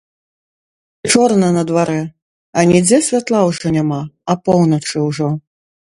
Чорна на дварэ, анідзе святла ўжо няма, апоўначы ўжо.